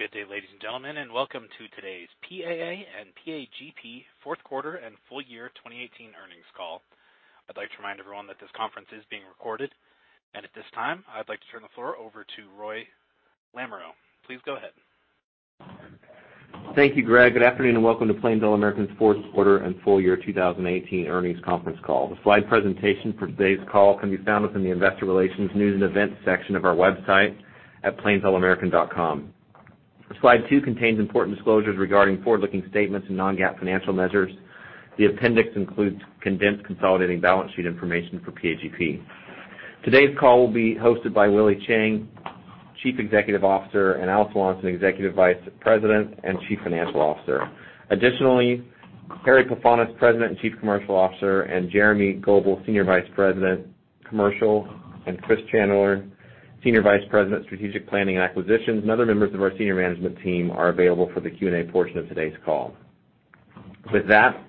Good day, ladies and gentlemen, and welcome to today's PAA and PAGP Q4 and full year 2018 earnings call. I'd like to remind everyone that this conference is being recorded. At this time, I'd like to turn the floor over to Roy Lamoreaux. Please go ahead. Thank you, Greg. Good afternoon and welcome to Plains All American's Q4 and full year 2018 earnings conference call. The slide presentation for today's call can be found within the investor relations news and events section of our website at plainsallamerican.com. Slide two contains important disclosures regarding forward-looking statements and non-GAAP financial measures. The appendix includes condensed consolidated balance sheet information for PAGP. Today's call will be hosted by Willie Chiang, Chief Executive Officer, and Al Swanson, Executive Vice President and Chief Financial Officer. Additionally, Harry Pefanis, President and Chief Commercial Officer, Jeremy Goebel, Senior Vice President Commercial, and Chris Chandler, Senior Vice President Strategic Planning and Acquisitions, and other members of our senior management team are available for the Q&A portion of today's call. With that,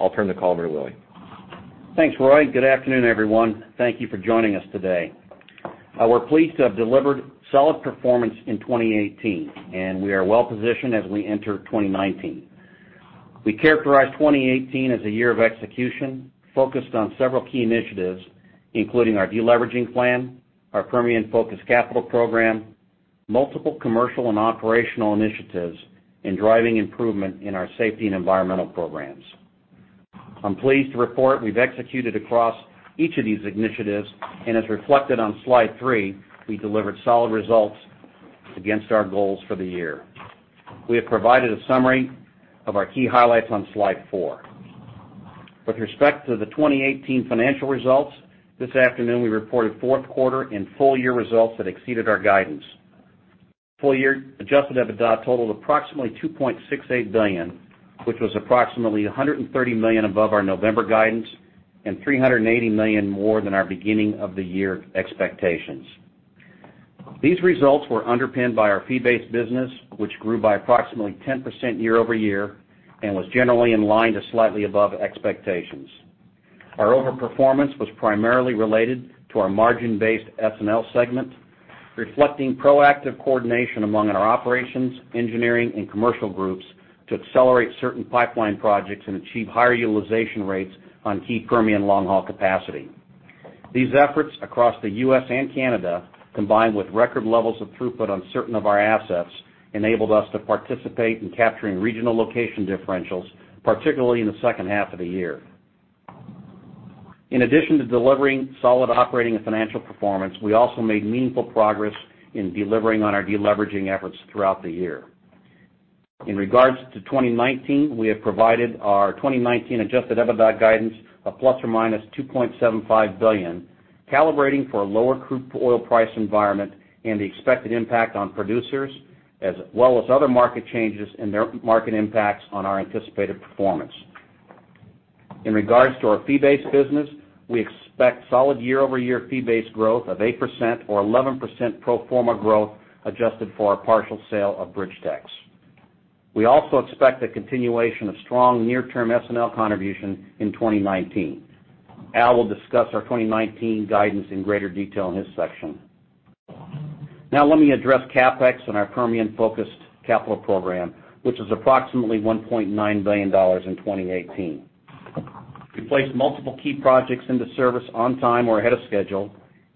I'll turn the call over to Willie. Thanks, Roy. Good afternoon, everyone. Thank you for joining us today. We're pleased to have delivered solid performance in 2018, and we are well-positioned as we enter 2019. We characterize 2018 as a year of execution, focused on several key initiatives, including our de-leveraging plan, our Permian-focused capital program, multiple commercial and operational initiatives, and driving improvement in our safety and environmental programs. I'm pleased to report we've executed across each of these initiatives, as reflected on slide three, we delivered solid results against our goals for the year. We have provided a summary of our key highlights on slide four. With respect to the 2018 financial results, this afternoon, we reported Q4 and full-year results that exceeded our guidance. Full-year adjusted EBITDA totaled approximately $2.68 billion, which was approximately $130 million above our November guidance and $380 million more than our beginning of the year expectations. These results were underpinned by our fee-based business, which grew by approximately 10% year-over-year and was generally in line to slightly above expectations. Our overperformance was primarily related to our margin-based S&L segment, reflecting proactive coordination among our operations, engineering, and commercial groups to accelerate certain pipeline projects and achieve higher utilization rates on key Permian long-haul capacity. These efforts across the U.S. and Canada, combined with record levels of throughput on certain of our assets, enabled us to participate in capturing regional location differentials, particularly in the H2 of the year. In addition to delivering solid operating and financial performance, we also made meaningful progress in delivering on our de-leveraging efforts throughout the year. In regards to 2019, we have provided our 2019 adjusted EBITDA guidance of ±$2.75 billion, calibrating for a lower crude oil price environment and the expected impact on producers, as well as other market changes and their market impacts on our anticipated performance. In regards to our fee-based business, we expect solid year-over-year fee-based growth of 8% or 11% pro forma growth adjusted for our partial sale of BridgeTex. We also expect a continuation of strong near-term S&L contribution in 2019. Al will discuss our 2019 guidance in greater detail in his section. Let me address CapEx and our Permian-focused capital program, which is approximately $1.9 billion in 2018. We placed multiple key projects into service on time or ahead of schedule,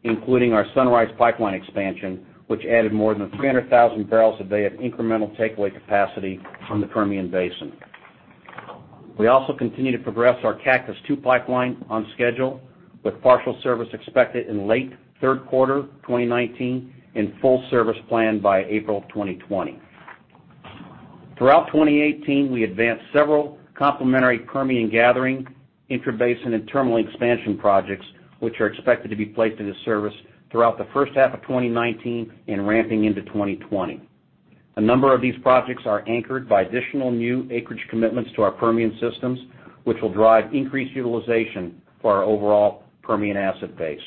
including our Sunrise Pipeline expansion, which added more than 300,000 barrels a day of incremental takeaway capacity from the Permian Basin. We also continue to progress our Cactus II Pipeline on schedule, with partial service expected in late Q3 2019 and full service planned by April 2020. Throughout 2018, we advanced several complementary Permian gathering, intrabasin, and terminal expansion projects, which are expected to be placed into service throughout the H1 of 2019 and ramping into 2020. A number of these projects are anchored by additional new acreage commitments to our Permian systems, which will drive increased utilization for our overall Permian asset base.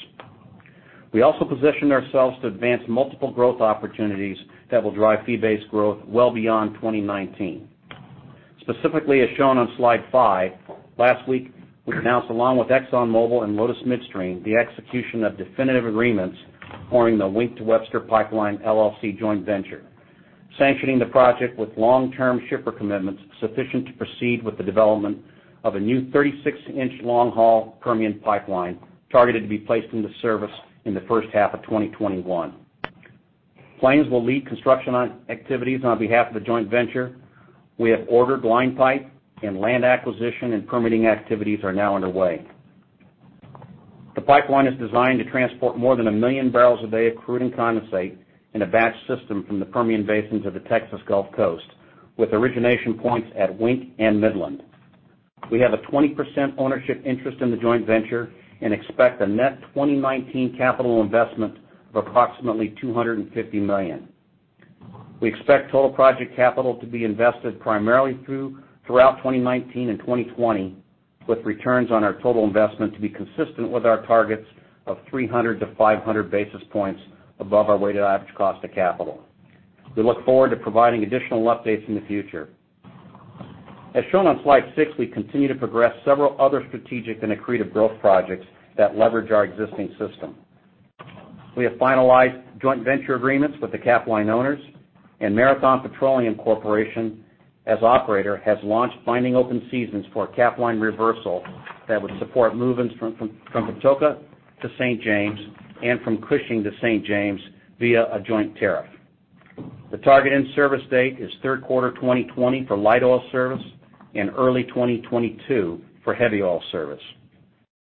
We also positioned ourselves to advance multiple growth opportunities that will drive fee-based growth well beyond 2019. Specifically, as shown on slide five, last week, we announced along with ExxonMobil and Lotus Midstream the execution of definitive agreements forming the Wink to Webster Pipeline LLC joint venture, sanctioning the project with long-term shipper commitments sufficient to proceed with the development of a new 36-inch long-haul Permian pipeline targeted to be placed into service in the H1 of 2021. Plains will lead construction activities on behalf of the joint venture. We have ordered line pipe and land acquisition and permitting activities are now underway. The pipeline is designed to transport more than 1 million barrels a day of crude and condensate in a batch system from the Permian basins of the Texas Gulf Coast, with origination points at Wink and Midland. We have a 20% ownership interest in the joint venture and expect a net 2019 capital investment of approximately $250 million. We expect total project capital to be invested primarily throughout 2019 and 2020, with returns on our total investment to be consistent with our targets of 300 to 500 basis points above our weighted average cost of capital. We look forward to providing additional updates in the future. As shown on slide six, we continue to progress several other strategic and accretive growth projects that leverage our existing system. We have finalized joint venture agreements with the Capline owners and Marathon Petroleum Corporation, as operator, has launched binding open seasons for Capline reversal that would support movements from Patoka to St. James and from Cushing to St. James via a joint tariff. The target in-service date is Q3 2020 for light oil service and early 2022 for heavy oil service.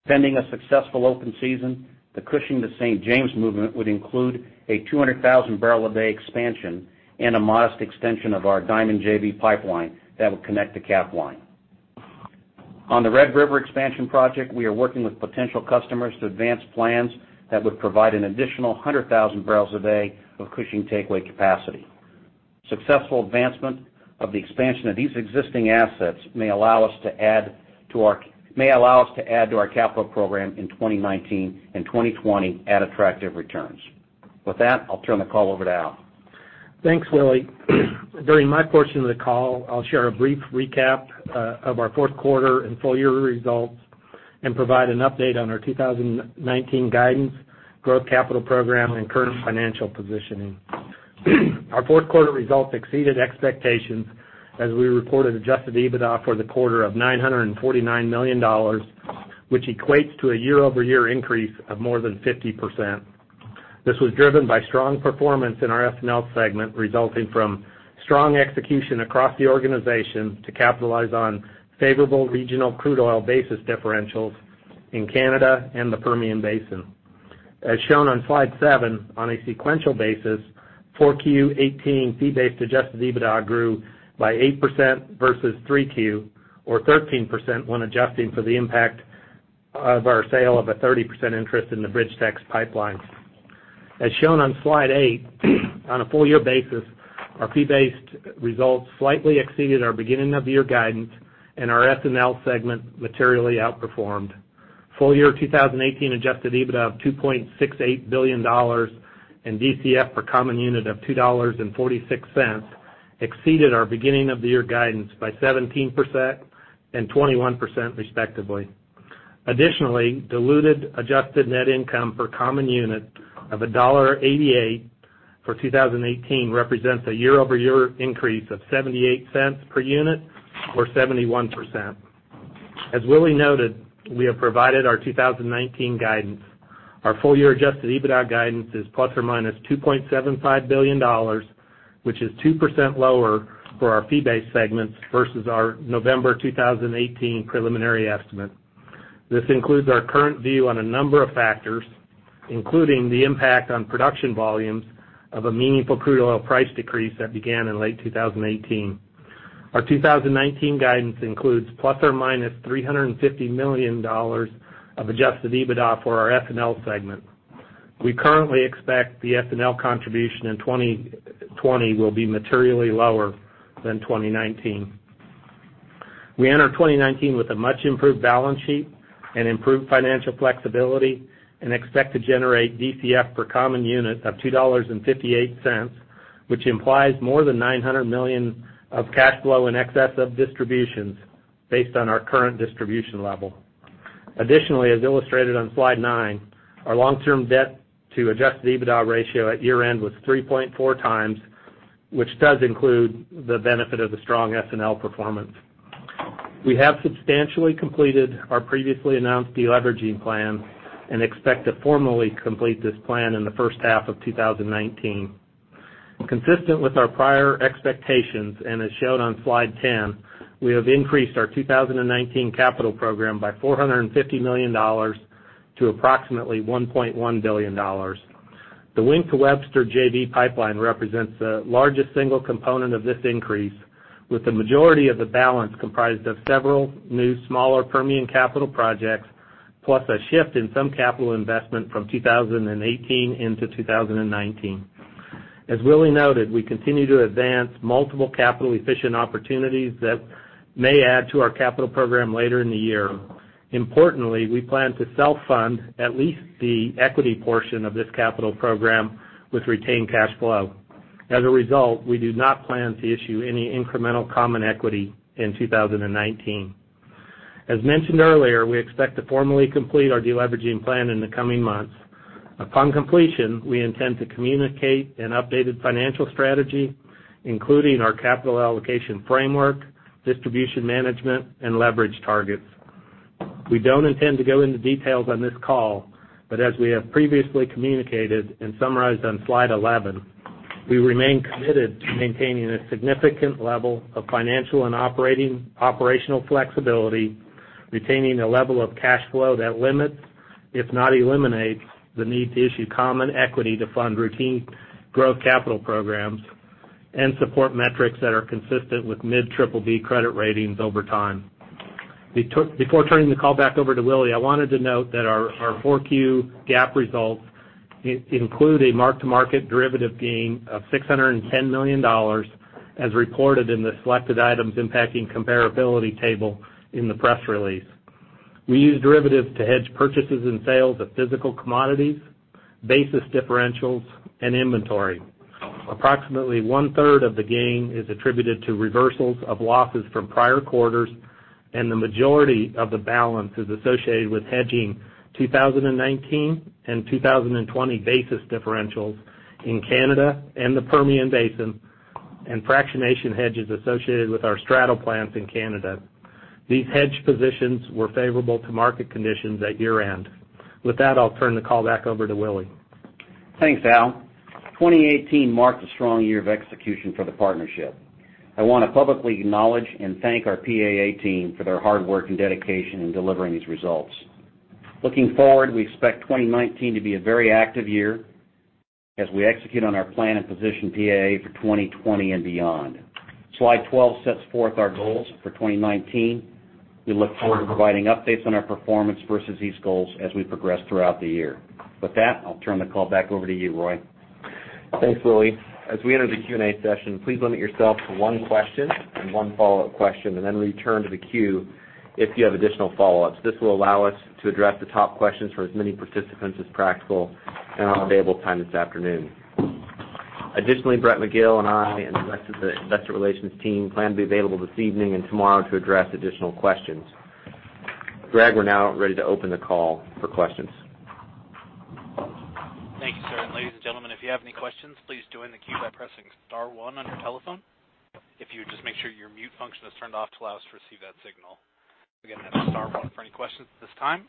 Pending a successful open season, the Cushing to St. James movement would include a 200,000-barrel-a-day expansion and a modest extension of our Diamond JV Pipeline that would connect to Capline. On the Red River expansion project, we are working with potential customers to advance plans that would provide an additional 100,000 barrels a day of Cushing takeaway capacity. Successful advancement of the expansion of these existing assets may allow us to add to our capital program in 2019 and 2020 at attractive returns. With that, I'll turn the call over to Al. Thanks, Willie. During my portion of the call, I'll share a brief recap of our Q4 and full-year results and provide an update on our 2019 guidance, growth capital program, and current financial positioning. Our Q4 results exceeded expectations as we reported adjusted EBITDA for the quarter of $949 million, which equates to a year-over-year increase of more than 50%. This was driven by strong performance in our S&L segment resulting from strong execution across the organization to capitalize on favorable regional crude oil basis differentials in Canada and the Permian Basin. As shown on slide seven, on a sequential basis, 4Q18 fee-based adjusted EBITDA grew by 8% versus 3Q or 13% when adjusting for the impact of our sale of a 30% interest in the BridgeTex Pipeline. As shown on slide eight, on a full-year basis, our fee-based results slightly exceeded our beginning of year guidance and our S&L segment materially outperformed. Full year 2018 adjusted EBITDA of $2.68 billion and DCF per common unit of $2.46 exceeded our beginning of the year guidance by 17% and 21% respectively. Additionally, diluted adjusted net income per common unit of $1.88 for 2018 represents a year-over-year increase of $0.78 per unit or 71%. As Willie noted, we have provided our 2019 guidance. Our full-year adjusted EBITDA guidance is ±$2.75 billion, which is 2% lower for our fee-based segments versus our November 2018 preliminary estimate. This includes our current view on a number of factors, including the impact on production volumes of a meaningful crude oil price decrease that began in late 2018. Our 2019 guidance includes ±$350 million of adjusted EBITDA for our S&L segment. We currently expect the S&L contribution in 2020 will be materially lower than 2019. We enter 2019 with a much improved balance sheet and improved financial flexibility and expect to generate DCF per common unit of $2.58, which implies more than $900 million of cash flow in excess of distributions based on our current distribution level. Additionally, as illustrated on slide nine, our long-term debt to adjusted EBITDA ratio at year-end was three point four times, which does include the benefit of the strong S&L performance. We have substantially completed our previously announced de-leveraging plan and expect to formally complete this plan in the H1 of 2019. Consistent with our prior expectations and as shown on slide 10, we have increased our 2019 capital program by $450 million to approximately $1.1 billion. The Wink to Webster JV Pipeline represents the largest single component of this increase, with the majority of the balance comprised of several new smaller Permian capital projects, plus a shift in some capital investment from 2018 into 2019. As Willie noted, we continue to advance multiple capital-efficient opportunities that may add to our capital program later in the year. Importantly, we plan to self-fund at least the equity portion of this capital program with retained cash flow. As a result, we do not plan to issue any incremental common equity in 2019. As mentioned earlier, we expect to formally complete our de-leveraging plan in the coming months. Upon completion, we intend to communicate an updated financial strategy, including our capital allocation framework, distribution management, and leverage targets. We don't intend to go into details on this call. But as we have previously communicated and summarized on slide 11, we remain committed to maintaining a significant level of financial and operational flexibility, retaining a level of cash flow that limits, if not eliminates, the need to issue common equity to fund routine growth capital programs and support metrics that are consistent with mid-BBB credit ratings over time. Before turning the call back over to Willie, I wanted to note that our 4Q GAAP results include a mark-to-market derivative gain of $610 million, as reported in the Selected Items Impacting Comparability table in the press release. We use derivatives to hedge purchases and sales of physical commodities, basis differentials, and inventory. Approximately one-third of the gain is attributed to reversals of losses from prior quarters, and the majority of the balance is associated with hedging 2019 and 2020 basis differentials in Canada and the Permian Basin, and fractionation hedges associated with our straddle plants in Canada. These hedge positions were favorable to market conditions at year-end. With that, I'll turn the call back over to Willie. Thanks, Al. 2018 marked a strong year of execution for the partnership. I want to publicly acknowledge and thank our PAA team for their hard work and dedication in delivering these results. Looking forward, we expect 2019 to be a very active year as we execute on our plan and position PAA for 2020 and beyond. Slide 12 sets forth our goals for 2019. We look forward to providing updates on our performance versus these goals as we progress throughout the year. With that, I'll turn the call back over to you, Roy. Thanks, Willie. As we enter the Q&A session, please limit yourself to one question and one follow-up question, then return to the queue if you have additional follow-ups. This will allow us to address the top questions from as many participants as practical in our available time this afternoon. Additionally, Brett Magill and I and the rest of the investor relations team plan to be available this evening and tomorrow to address additional questions. Greg, we are now ready to open the call for questions. Thank you, sir. Ladies and gentlemen, if you have any questions, please join the queue by pressing star one on your telephone. If you would just make sure your mute function is turned off to allow us to receive that signal. Again, that is star one for any questions at this time.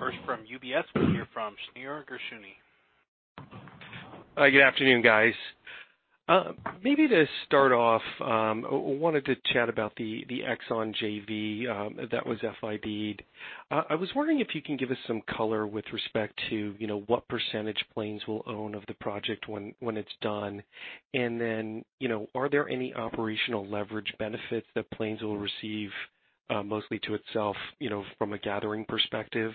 First from UBS, we hear from Shneur Gershuni. Hi, good afternoon, guys. Maybe to start off, wanted to chat about the Exxon JV that was FID. I was wondering if you can give us some color with respect to what % Plains will own of the project when it is done. And you know, are there any operational leverage benefits that Plains will receive, mostly to itself, from a gathering perspective?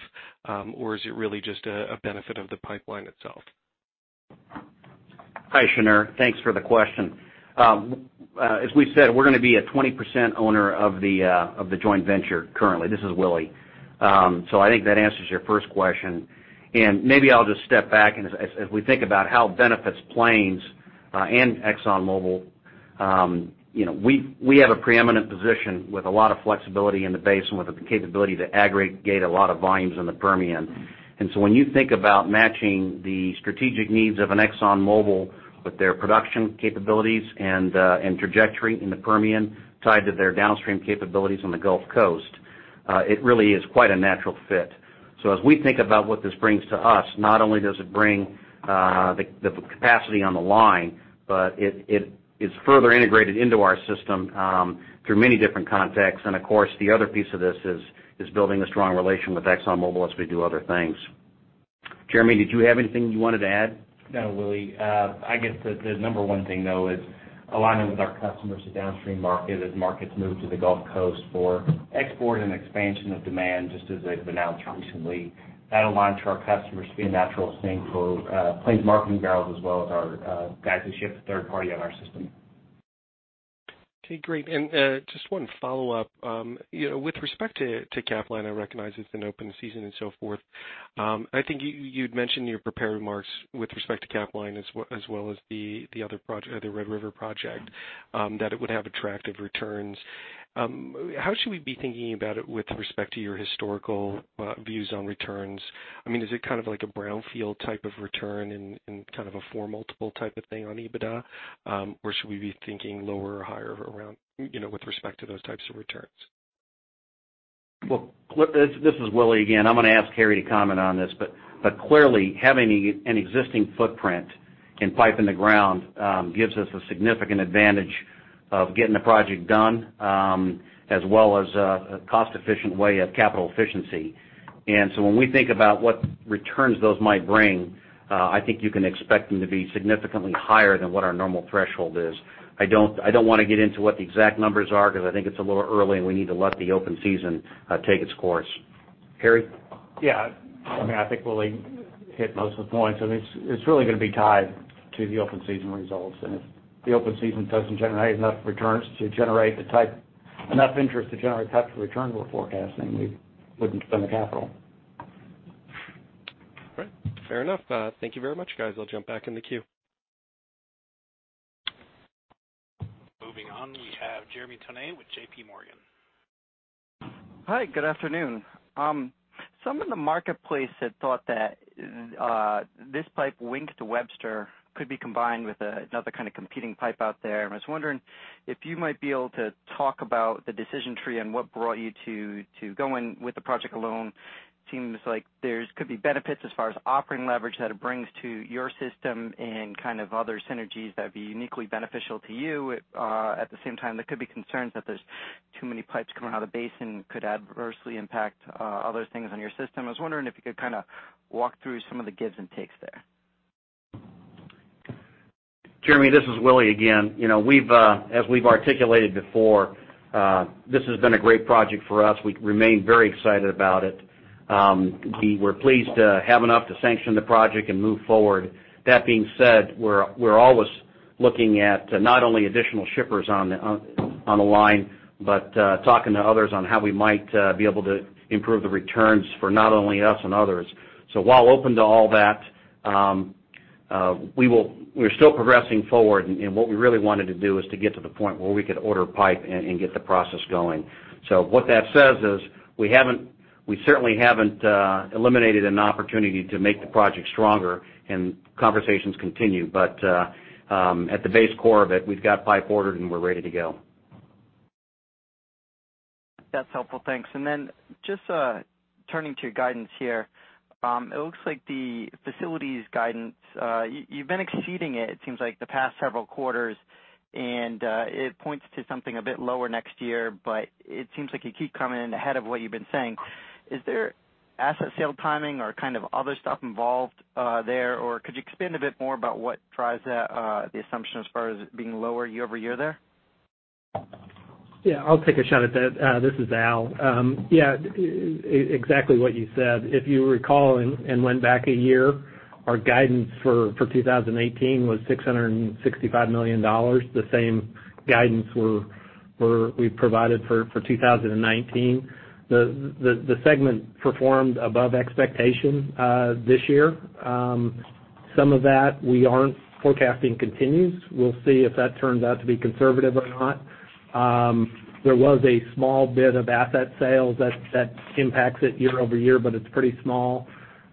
Is it really just a benefit of the pipeline itself? Hi, Shneur. Thanks for the question. As we said, we are going to be a 20% owner of the joint venture currently. This is Willie. I think that answers your first question. Maybe I will just step back and as we think about how it benefits Plains and ExxonMobil, we have a preeminent position with a lot of flexibility in the basin with the capability to aggregate a lot of volumes in the Permian. When you think about matching the strategic needs of an ExxonMobil with their production capabilities and trajectory in the Permian tied to their downstream capabilities on the Gulf Coast, it really is quite a natural fit. As we think about what this brings to us, not only does it bring the capacity on the line, but it is further integrated into our system through many different contexts. Of course, the other piece of this is building a strong relation with ExxonMobil as we do other things. Jeremy, did you have anything you wanted to add? No, Willie. I guess the number one thing, though, is aligning with our customers to downstream market as markets move to the Gulf Coast for export and expansion of demand, just as they've announced recently. That aligned to our customers to be a natural thing for Plains Marketing barrels as well as our guys who ship third party on our system. Okay, great. Just one follow-up. With respect to Capline, I recognize it's an open season and so forth. I think you'd mentioned in your prepared remarks with respect to Capline as well as the other Red River project, that it would have attractive returns. How should we be thinking about it with respect to your historical views on returns? Is it kind of like a brownfield type of return and kind of a four multiple type of thing on EBITDA? Or should we be thinking lower or higher with respect to those types of returns? Well, this is Willie again. I'm gonna ask Harry to comment on this, clearly, having an existing footprint and pipe in the ground gives us a significant advantage of getting the project done, as well as a cost-efficient way of capital efficiency. So when we think about what returns those might bring, I think you can expect them to be significantly higher than what our normal threshold is. I don't want to get into what the exact numbers are because I think it's a little early, and we need to let the open season take its course. Harry? Yeah. I think Willie hit most of the points. I mean, it's really gonna be tied to the open season results. If the open season doesn't generate enough returns to generate enough nothing interest to generate the type of return we're forecasting, we wouldn't spend the capital. All right. Fair enough. Thank you very much, guys. I'll jump back in the queue. Moving on, we have Jeremy Tonet with J.P. Morgan. Hi, good afternoon. Some in the marketplace had thought that this pipe Wink to Webster could be combined with another kind of competing pipe out there. I was wondering if you might be able to talk about the decision tree and what brought you to going with the project alone. Seems like there could be benefits as far as operating leverage that it brings to your system and kind of other synergies that would be uniquely beneficial to you. At the same time, there could be concerns that there's too many pipes coming out of the basin could adversely impact other things on your system. I was wondering if you could kind of walk through some of the gives and takes there. Jeremy, this is Willie again. As we've articulated before, this has been a great project for us. We remain very excited about it. We're pleased to have enough to sanction the project and move forward. That being said, we're always looking at not only additional shippers on the line, but talking to others on how we might be able to improve the returns for not only us and others. While open to all that, we're still progressing forward, and what we really wanted to do is to get to the point where we could order pipe and get the process going. What that says is, we certainly haven't eliminated an opportunity to make the project stronger and conversations continue. At the base core of it, we've got pipe ordered and we're ready to go. That's helpful. Thanks. Then just turning to guidance here. It looks like the Facilities guidance, you've been exceeding it seems like the past several quarters, and it points to something a bit lower next year, but it seems like you keep coming in ahead of what you've been saying. Is there asset sale timing or kind of other stuff involved there, or could you expand a bit more about what drives the assumption as far as it being lower year-over-year there? Yeah, I'll take a shot at that. This is Al. Yeah, exactly what you said. If you recall and went back a year, our guidance for 2018 was $665 million, the same guidance we provided for 2019. The segment performed above expectation this year. Some of that we aren't forecasting continues. We'll see if that turns out to be conservative or not. There was a small bit of asset sales that impacts it year-over-year, but it's pretty small.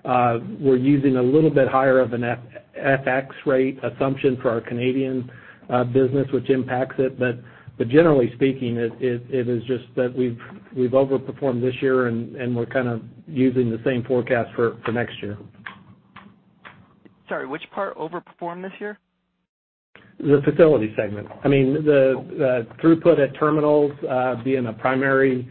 We're using a little bit higher of an FX rate assumption for our Canadian business, which impacts it. But generally speaking, it is just that we've overperformed this year and we're kind of using the same forecast for next year. Sorry, which part overperformed this year? The Facilities segment. The throughput at terminals being a primary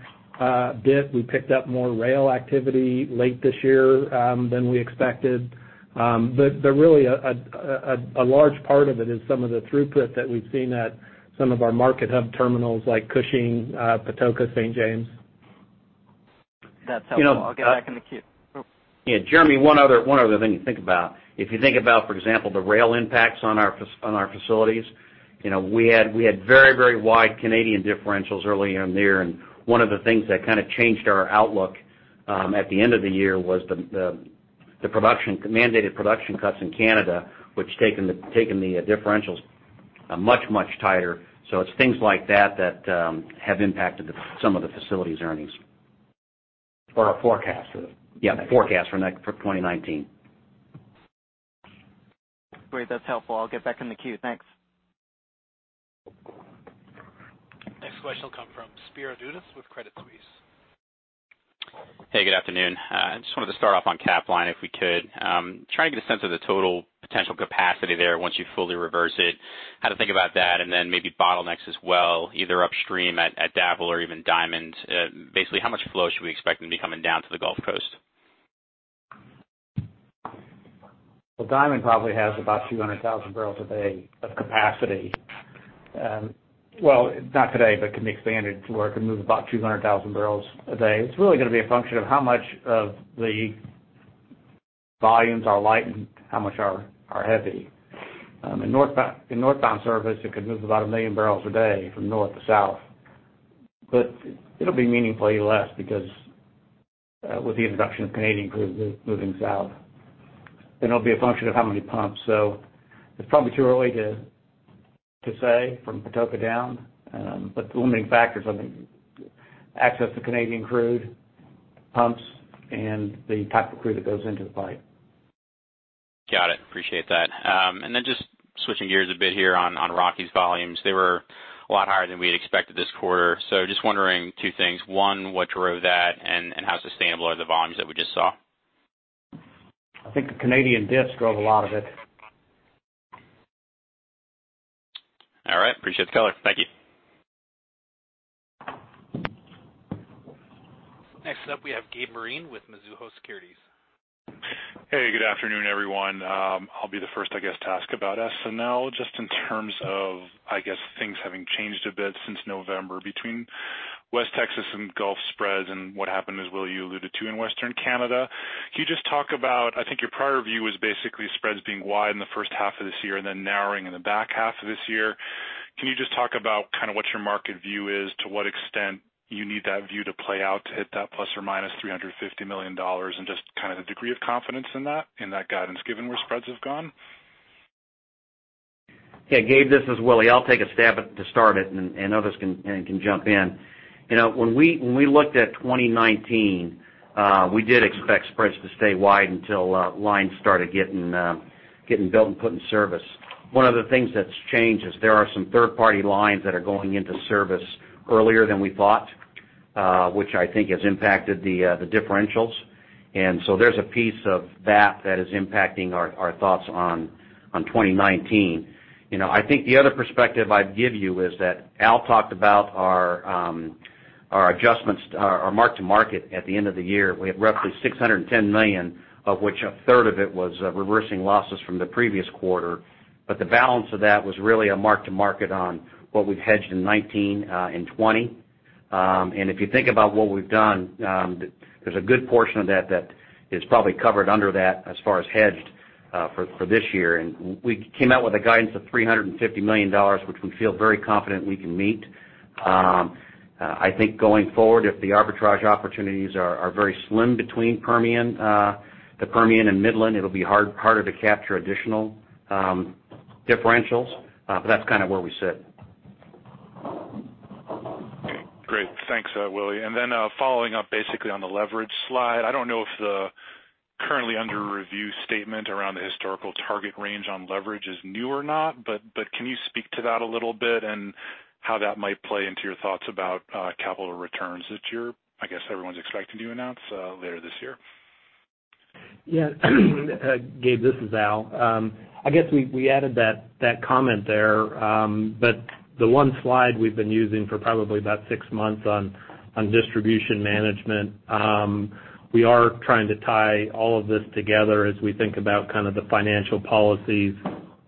dip. We picked up more rail activity late this year than we expected. Really, a large part of it is some of the throughput that we've seen at some of our market hub terminals like Cushing, Patoka, St. James. That's helpful. I'll get back in the queue. Yeah, Jeremy, one other thing to think about. If you think about, for example, the rail impacts on our Facilities, we had very wide Canadian differentials early on there, and one of the things that kind of changed our outlook at the end of the year was the mandated production cuts in Canada, which had taken the differentials much tighter. It's things like that that have impacted some of the Facilities' earnings. Our forecast. Yeah, forecast for 2019. Great. That's helpful. I'll get back in the queue. Thanks. Next question will come from Spiro Dounis with Credit Suisse. Hey, good afternoon. I just wanted to start off on Capline if we could. Trying to get a sense of the total potential capacity there once you fully reverse it, how to think about that, and then maybe bottlenecks as well, either upstream at DAPL or even Diamond. Basically, how much flow should we expect to be coming down to the Gulf Coast? Well, Diamond Pipeline probably has about 200,000 barrels a day of capacity. Well, not today, but can be expanded to where it can move about 200,000 barrels a day. It's really going to be a function of how much of the volumes are light and how much are heavy. In northbound service, it could move about 1 million barrels a day from north to south, but it'll be meaningfully less because with the introduction of Canadian crude moving south. It'll be a function of how many pumps. It's probably too early to say from Patoka down, but the limiting factors are the access to Canadian crude pumps and the type of crude that goes into the pipe. Got it. Appreciate that. Just switching gears a bit here on Rockies volumes. They were a lot higher than we had expected this quarter. Just wondering two things. One, what drove that, and how sustainable are the volumes that we just saw? I think the Canadian dips drove a lot of it. All right. Appreciate the color. Thank you. Next up, we have Gabriel Moreen with Mizuho Securities USA. Hey, good afternoon, everyone. I'll be the first, I guess, to ask about S&L, just in terms of things having changed a bit since November between West Texas and Gulf spreads and what happened as Willie you alluded to in Western Canada. Can you just talk about, I think your prior view was basically spreads being wide in the H1 of this year and then narrowing in the back half of this year. Can you just talk about kind of what your market view is, to what extent you need that view to play out to hit that ±$350 million, and just kind of the degree of confidence in that guidance given where spreads have gone? Yeah, Gabriel, this is Willie. I'll take a stab at to start it, and others can jump in. When we looked at 2019, we did expect spreads to stay wide until lines started getting built and put in service. One of the things that's changed is there are some third-party lines that are going into service earlier than we thought, which I think has impacted the differentials. So there's a piece of that that is impacting our thoughts on 2019. I think the other perspective I'd give you is that Al talked about our mark-to-market at the end of the year. We had roughly $610 million, of which a third of it was reversing losses from the previous quarter. But the balance of that was really a mark-to-market on what we've hedged in 2019 and 2020. If you think about what we've done, there's a good portion of that that is probably covered under that as far as hedged for this year. We came out with a guidance of $350 million, which we feel very confident we can meet. I think going forward, if the arbitrage opportunities are very slim between the Permian and Midland, it'll be harder to capture additional differentials. That's kind of where we sit. Great. Thanks, Willie. And then following up basically on the leverage slide, I don't know if the currently under review statement around the historical target range on leverage is new or not, but can you speak to that a little bit and how that might play into your thoughts about capital returns that you're, I guess, everyone's expecting to announce later this year? Yeah. Gabriel, this is Al. I guess we added that comment there, the one slide we've been using for probably about six months on distribution management, we are trying to tie all of this together as we think about kind of the financial policies,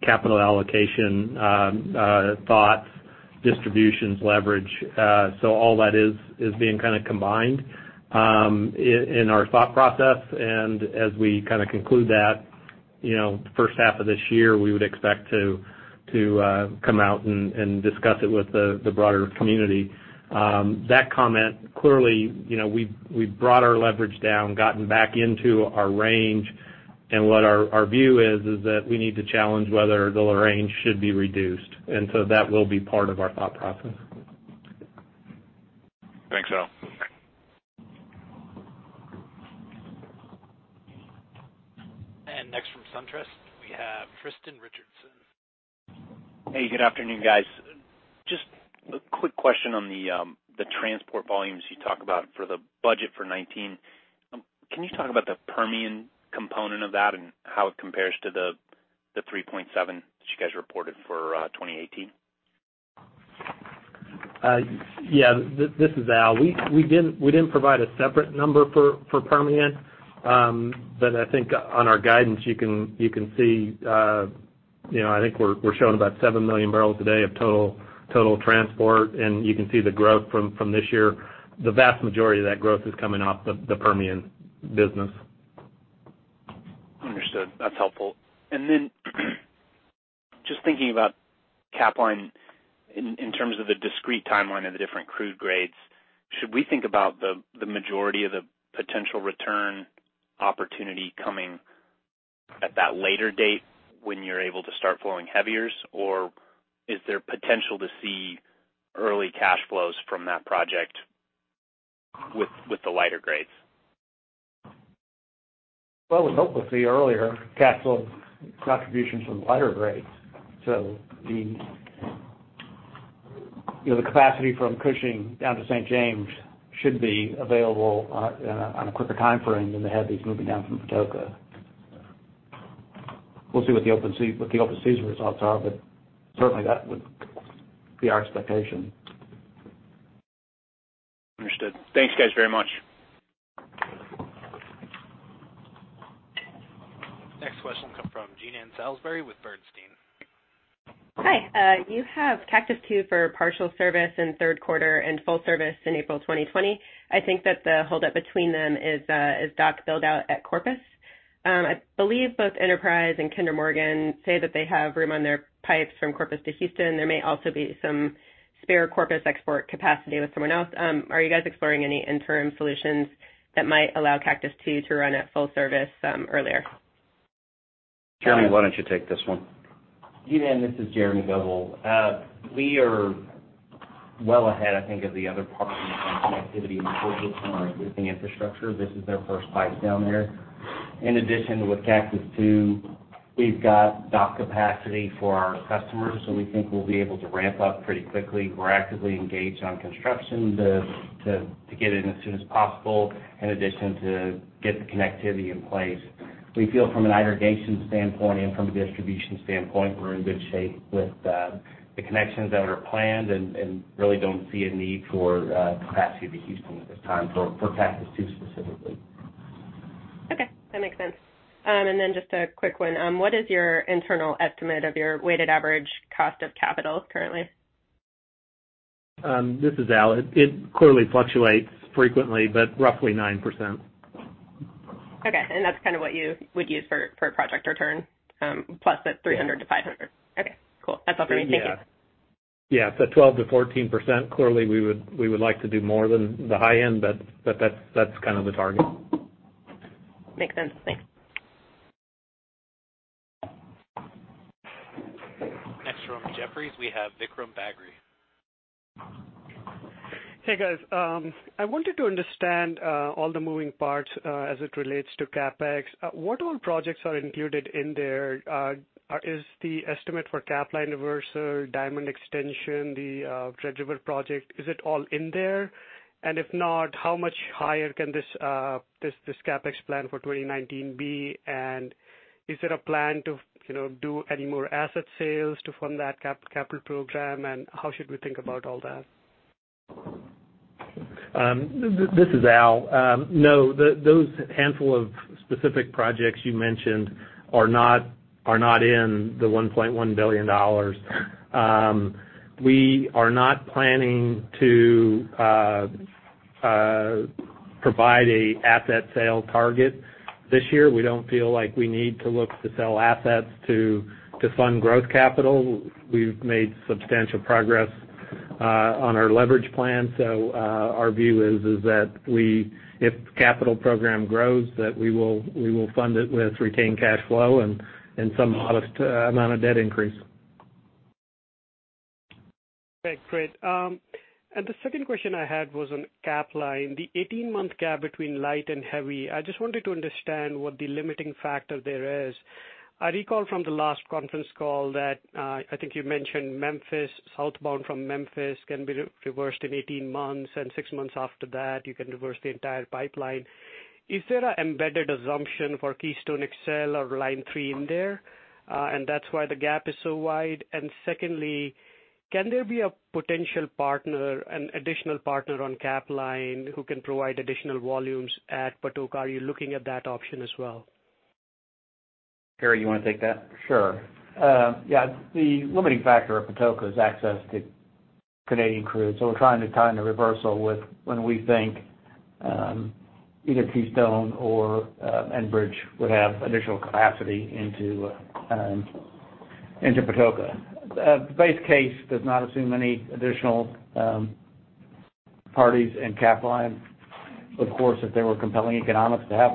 capital allocation thoughts, distributions leverage. All that is being kind of combined in our thought process. As we kind of conclude that, the H1 of this year, we would expect to come out and discuss it with the broader community. That comment, clearly we've brought our leverage down, gotten back into our range, and what our view is that we need to challenge whether the range should be reduced. That will be part of our thought process. Thanks, Al. Next from SunTrust, we have Tristan Richardson. Hey, good afternoon, guys. Just a quick question on the transport volumes you talk about for the budget for 2019. Can you talk about the Permian component of that and how it compares to the three point seven that you guys reported for 2018? Yeah, this is Al. We didn't provide a separate number for Permian. I think on our guidance, you can see I think we're showing about 7 million barrels a day of total transport, and you can see the growth from this year. The vast majority of that growth is coming off the Permian business. Understood. That's helpful. Then just thinking about Capline in terms of the discrete timeline of the different crude grades, should we think about the majority of the potential return opportunity coming at that later date when you're able to start flowing heaviers? Or is there potential to see early cash flows from that project with the lighter grades? We hope to see earlier capital contributions from lighter grades. So the capacity from Cushing down to St. James should be available on a quicker timeframe than the heavies moving down from Patoka. We'll see what the open season results are, certainly that would be our expectation. Understood. Thanks, guys, very much. Next question will come from Jean Ann Salisbury with Bernstein. Hi. You have Cactus II for partial service in Q3 and full service in April 2020. I think that the holdup between them is dock build-out at Corpus. I believe both Enterprise and Kinder Morgan say that they have room on their pipes from Corpus to Houston. There may also be some spare Corpus export capacity with someone else. Are you guys exploring any interim solutions that might allow Cactus II to run at full service earlier? Jeremy, why don't you take this one? Jean Ann, this is Jeremy Goebel. We are well ahead, I think, of the other partners on connectivity and we're focused on our existing infrastructure. This is their first pipe down there. In addition with Cactus II, we've got dock capacity for our customers who we think will be able to ramp up pretty quickly. We're actively engaged on construction to get in as soon as possible, in addition to get the connectivity in place. We feel from an irrigation standpoint and from a distribution standpoint, we're in good shape with the connections that are planned and really don't see a need for capacity to Houston at this time for Cactus II specifically. Okay, that makes sense. And then just a quick one, what is your internal estimate of your weighted average cost of capital currently? This is Al. It clearly fluctuates frequently, roughly 9%. Okay. That's kind of what you would use for a project return, plus that 300 to 500? Yeah. Okay, cool. That's all for me. Thank you. Yeah. 12% to 14%. Clearly, we would like to do more than the high end. That's kind of the target. Makes sense. Thanks. Next from Jefferies, we have Vikram Bagri. Hey, guys. I wanted to understand all the moving parts as it relates to CapEx. What all projects are included in there? Is the estimate for Capline reversal, Diamond extension, the Red River project, is it all in there? And if not, how much higher can this CapEx plan for 2019 be? And is there a plan to do any more asset sales to fund that capital program, and how should we think about all that? This is Al. No, those handful of specific projects you mentioned are not in the $1.1 billion. We are not planning to provide an asset sale target this year. We don't feel like we need to look to sell assets to fund growth capital. We've made substantial progress on our leverage plan. Our view is that if capital program grows, that we will fund it with retained cash flow and some modest amount of debt increase. Okay, great. The second question I had was on Capline, the 18-month gap between light and heavy. I just wanted to understand what the limiting factor there is. I recall from the last conference call that I think you mentioned Memphis, southbound from Memphis, can be reversed in 18 months, and six months after that, you can reverse the entire pipeline. Is there an embedded assumption for Keystone XL or Line three in there, and that's why the gap is so wide? And secondly, can there be a potential partner, an additional partner on Capline who can provide additional volumes at Patoka? Are you looking at that option as well? Gary, you want to take that? Sure. Yeah, the limiting factor at Patoka is access to Canadian crude. We're trying to time the reversal with when we think either Keystone or Enbridge would have additional capacity into Patoka. The base case does not assume any additional parties in Capline. Of course, if there were compelling economics to have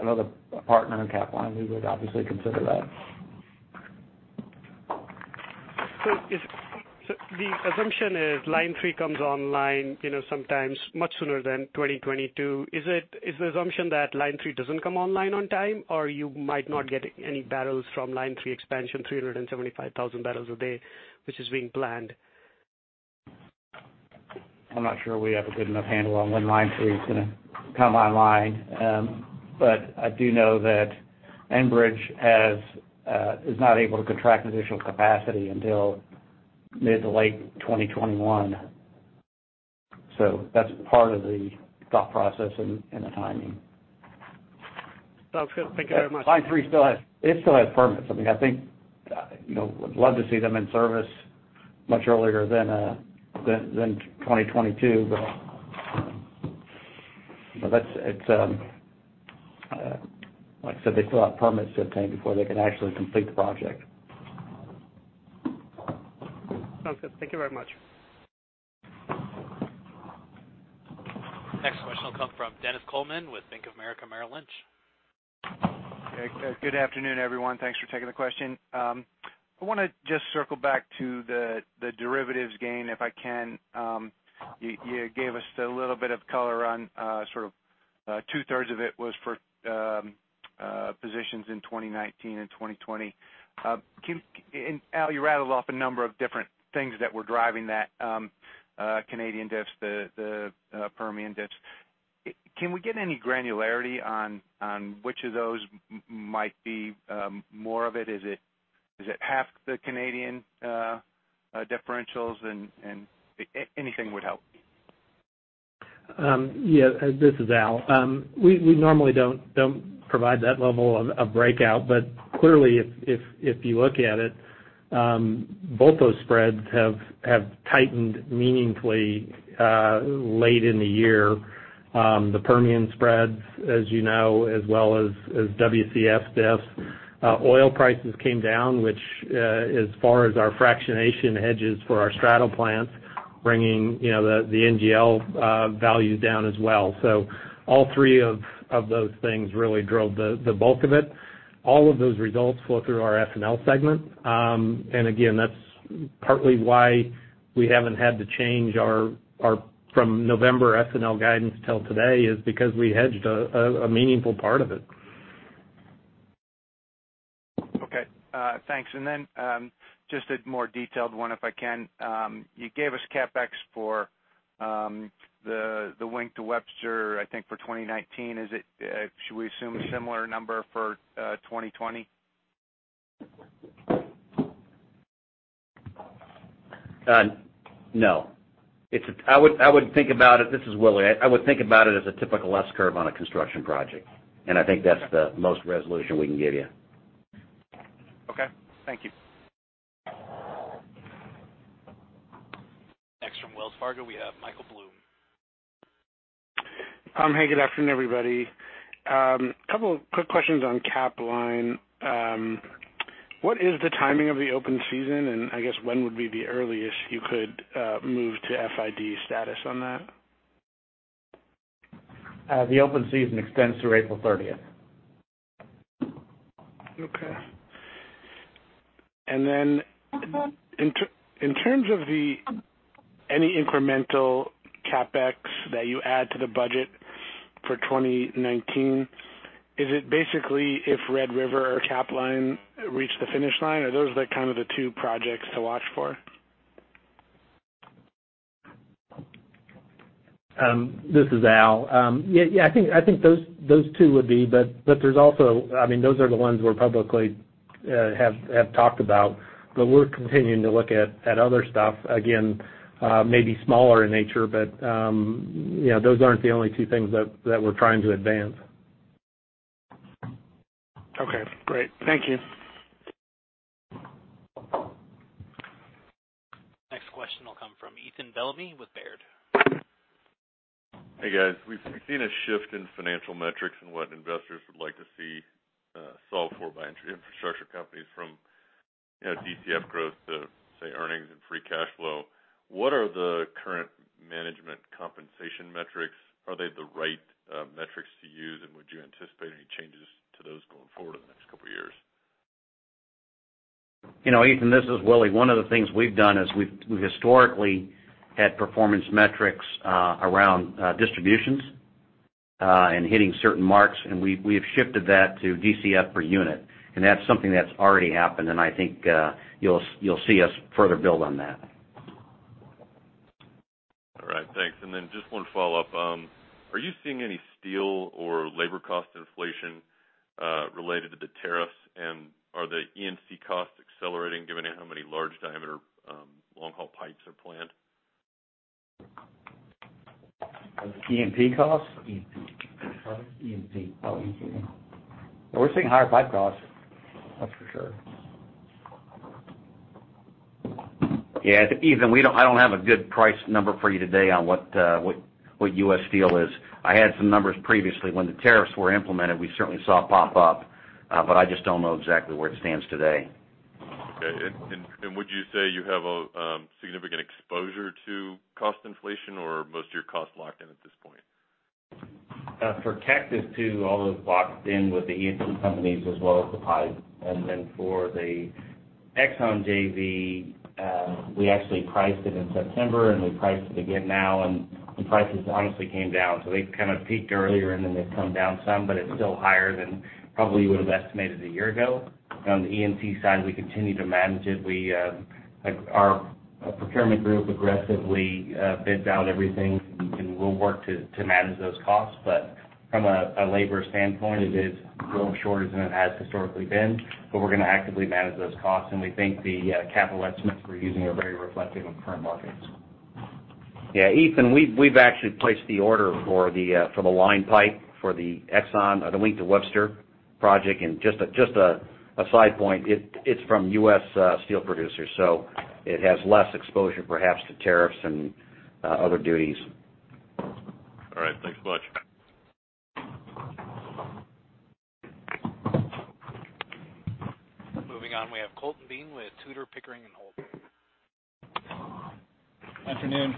another partner in Capline, we would obviously consider that. So is the assumption is Line three comes online sometimes much sooner than 2022. Is the assumption that Line three doesn't come online on time, or you might not get any barrels from Line three expansion, 375,000 barrels a day, which is being planned? I'm not sure we have a good enough handle on when Line three is going to come online. I do know that Enbridge is not able to contract additional capacity until mid to late 2021. So that's part of the thought process and the timing. Sounds good. Thank you very much. Line three still has permits. I would love to see them in service much earlier than 2022, but like I said, they still have permits to obtain before they can actually complete the project. Sounds good. Thank you very much. Next question will come from Dennis Coleman with Bank of America Merrill Lynch. Good afternoon, everyone. Thanks for taking the question. I want to just circle back to the derivatives gain, if I can. You gave us a little bit of color on two-thirds of it was for positions in 2019 and 2020. Al, you rattled off a number of different things that were driving that Canadian diffs, the Permian diffs. Can we get any granularity on which of those might be more of it? Is it half the Canadian differentials? Anything would help. Yeah. This is Al Swanson. We normally don't provide that level of breakout. But clearly if you look at it, both those spreads have tightened meaningfully late in the year. The Permian spreads, as you know, as well as WCS diffs. Oil prices came down, which as far as our fractionation hedges for our straddle plants, bringing the NGL values down as well. So all three of those things really drove the bulk of it. All of those results flow through our Facilities segment. And again, that's partly why we haven't had to change our from November Facilities guidance till today is because we hedged a meaningful part of it. Okay. Thanks. Then just a more detailed one, if I can. You gave us CapEx for the Wink to Webster, I think, for 2019. Should we assume a similar number for 2020? No. This is Willie Chiang. I would think about it as a typical S-curve on a construction project. I think that's the most resolution we can give you. Okay. Thank you. Next from Wells Fargo, we have Michael Blum. Hey, good afternoon, everybody. Couple of quick questions on Capline. What is the timing of the open season, and I guess when would be the earliest you could move to FID status on that? The open season extends through April 30th. Okay. And then in terms of any incremental CapEx that you add to the budget for 2019, is it basically if Red River or Capline reach the finish line? Are those the two projects to watch for? This is Al. Yeah, I think those two would be, those are the ones we're publicly talked about. We're continuing to look at other stuff, again, maybe smaller in nature, but those aren't the only two things that we're trying to advance. Okay, great. Thank you. Next question will come from Ethan Bellamy with Baird. Hey, guys. We've seen a shift in financial metrics and what investors would like to see solved for by infrastructure companies from DCF growth to, say, earnings and free cash flow. What are the current management compensation metrics? Are they the right metrics to use, and would you anticipate any changes to those going forward in the next couple of years? Ethan, this is Willie. One of the things we've done is we've historically had performance metrics around distributions, and hitting certain marks, and we have shifted that to DCF per unit. That's something that's already happened, and I think you'll see us further build on that. All right. Thanks. Then just one follow-up. Are you seeing any steel or labor cost inflation related to the tariffs? Are the E&C costs accelerating given how many large diameter long-haul pipes are planned? E&C costs? E&C. Pardon? E&C. Oh, E&C. We're seeing higher pipe costs, that's for sure. Yeah. Ethan, I don't have a good price number for you today on what U.S. steel is. I had some numbers previously. When the tariffs were implemented, we certainly saw it pop up. I just don't know exactly where it stands today. Okay. Would you say you have a significant exposure to cost inflation or most of your costs are locked in at this point? For Cactus II, all is locked in with the E&C companies as well as the pipe. Then for the Exxon JV, we actually priced it in September, and we priced it again now, and the prices honestly came down. They've kind of peaked earlier, and then they've come down some, but it's still higher than probably we would've estimated a year ago. On the E&C side, we continue to manage it. Our procurement group aggressively bids out everything, and we'll work to manage those costs. From a labor standpoint, it is a little shorter than it has historically been, but we're going to actively manage those costs, and we think the capital estimates we're using are very reflective of current markets. Yeah, Ethan, we've actually placed the order for the line pipe for the Wink to Webster project. Just a side point, it's from U.S. steel producers. So it has less exposure perhaps to tariffs and other duties. All right. Thanks much. Moving on, we have Colton Bean with Tudor, Pickering, and Holt. Afternoon.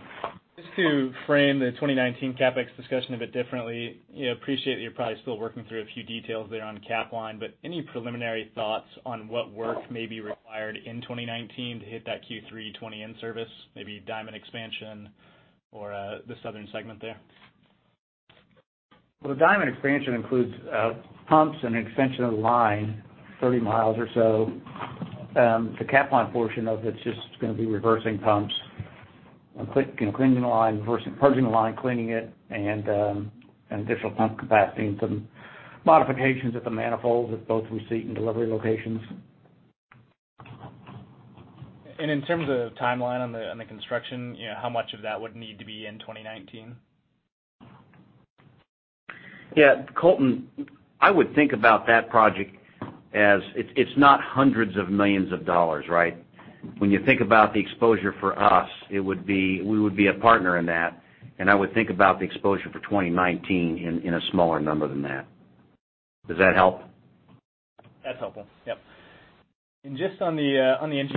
Just to frame the 2019 CapEx discussion a bit differently, appreciate that you're probably still working through a few details there on Capline, any preliminary thoughts on what work may be required in 2019 to hit that Q3 2020 in service, maybe Diamond expansion or the southern segment there? Well, the Diamond expansion includes pumps and extension of the line 30 miles or so. The Capline portion of it's just going to be reversing pumps and cleaning the line, purging the line, cleaning it, and additional pump capacity and some modifications at the manifolds at both receipt and delivery locations. In terms of timeline on the construction, how much of that would need to be in 2019? Colton, I would think about that project as it's not hundreds of millions of dollars, right? When you think about the exposure for us, we would be a partner in that, and I would think about the exposure for 2019 in a smaller number than that. Does that help? That's helpful. Yep. Just on the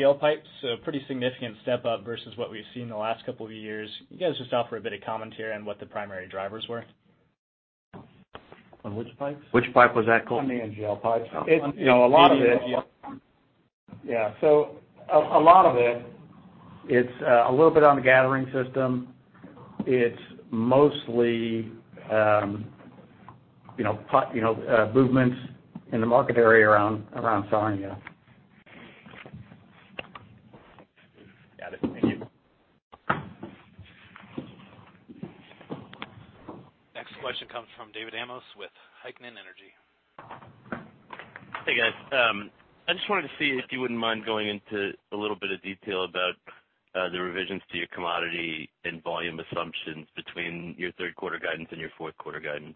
NGL pipes, a pretty significant step up versus what we've seen in the last couple of years. You guys just offer a bit of commentary on what the primary drivers were? On which pipes? Which pipe was that, Colton? On the NGL pipes. A lot of it- Yeah. A lot of it's a little bit on the gathering system. It's mostly movements in the market area around Sarnia. Got it. Thank you. Next question comes from David Heikkinen with Heikkinen Energy Advisors. Hey, guys. I just wanted to see if you wouldn't mind going into a little bit of detail about the revisions to your commodity and volume assumptions between your Q3 guidance and your Q4 guidance.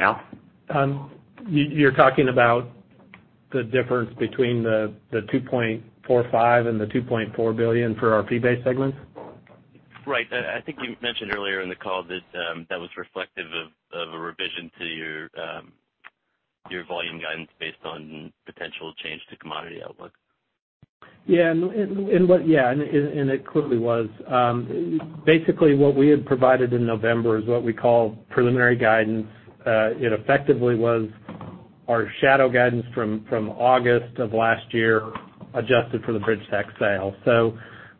Al? You're talking about the difference between the 2.45 and the $2.4 billion for our fee-based segment? Right. I think you mentioned earlier in the call that that was reflective of a revision to your volume guidance based on potential change to commodity outlook. Yeah. It clearly was. Basically, what we had provided in November is what we call preliminary guidance. It effectively was our shadow guidance from August of last year, adjusted for the BridgeTex sale.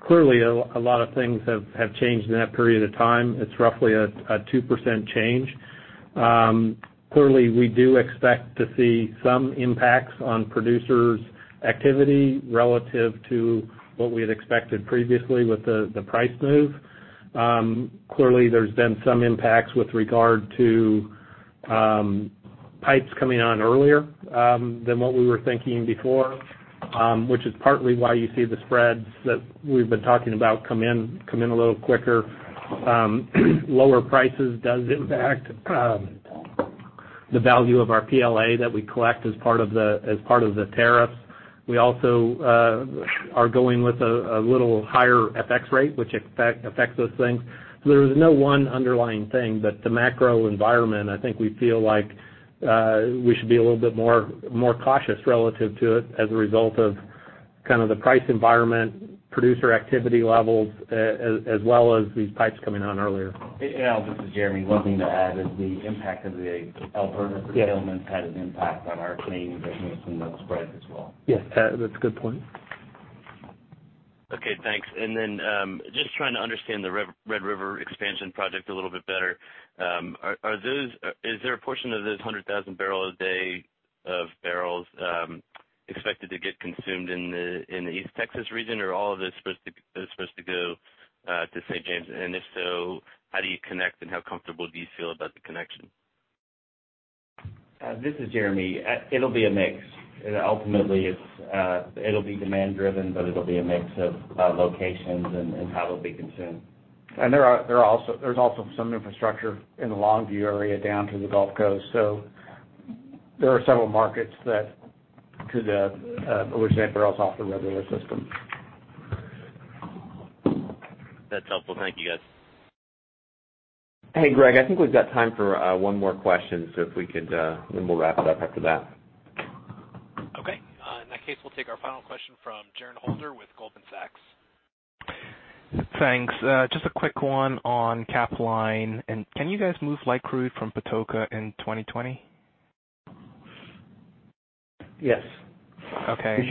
Clearly, a lot of things have changed in that period of time. It's roughly a 2% change. Clearly, we do expect to see some impacts on producers' activity relative to what we had expected previously with the price move. Clearly, there's been some impacts with regard to pipes coming on earlier than what we were thinking before, which is partly why you see the spreads that we've been talking about come in a little quicker. Lower prices does impact the value of our PLA that we collect as part of the tariffs. We also are going with a little higher FX rate, which affects those things. There's no one underlying thing, but the macro environment, I think we feel like we should be a little bit more cautious relative to it as a result of kind of the price environment, producer activity levels, as well as these pipes coming on earlier. Al, this is Jeremy. One thing to add is the impact of the El burner settlements had an impact on our Plains that moves some of the spread as well. Yes. That's a good point. Okay. Thanks. And then, just trying to understand the Red River expansion project a little bit better. Is there a portion of this 100,000 barrel a day of barrels expected to get consumed in the East Texas region? All of this is supposed to go to St. James? If so, how do you connect and how comfortable do you feel about the connection? This is Jeremy. It'll be a mix. Ultimately, it'll be demand-driven, it'll be a mix of locations and how it'll be consumed. There's also some infrastructure in the Longview area down to the Gulf Coast. So there are several markets we ship barrels off the Red River system. That's helpful. Thank you, guys. Hey, Greg, I think we've got time for one more question, we'll wrap it up after that. Okay. In that case, we'll take our final question from Jaron Holder with Goldman Sachs. Thanks. Just a quick one on Capline. Can you guys move light crude from Patoka in 2020? Yes. Okay. We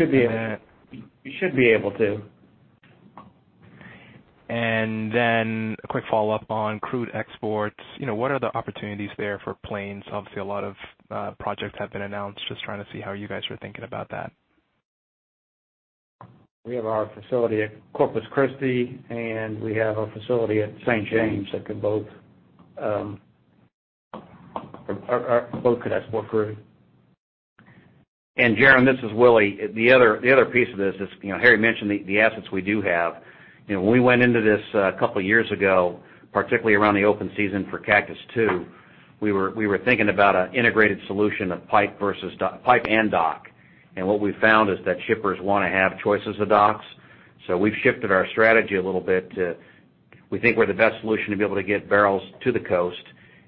should be able to. And then a quick follow-up on crude exports. What are the opportunities there for Plains? Obviously, a lot of projects have been announced. Just trying to see how you guys are thinking about that. We have our facility at Corpus Christi, and we have a facility at St. James that both could export crude. And Jaron, this is Willie. The other piece of this is, Harry mentioned the assets we do have. When we went into this a couple of years ago, particularly around the open season for Cactus II, we were thinking about an integrated solution of pipe and dock. What we've found is that shippers want to have choices of docks. We've shifted our strategy a little bit to we think we're the best solution to be able to get barrels to the coast.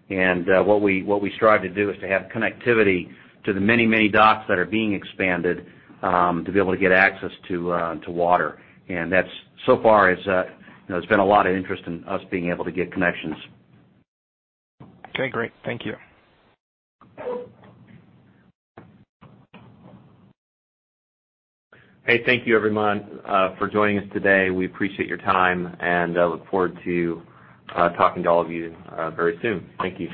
And what we strive to do is to have connectivity to the many, many docks that are being expanded, to be able to get access to water. That so far has been a lot of interest in us being able to get connections. Okay, great. Thank you. Thank you everyone for joining us today. We appreciate your time. And I look forward to talking to all of you very soon. Thank you.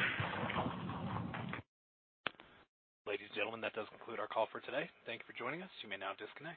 Ladies and gentlemen, that does conclude our call for today. Thank you for joining us. You may now disconnect.